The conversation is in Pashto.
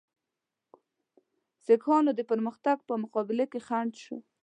سیکهان د پرمختګ په مقابل کې خنډ شو.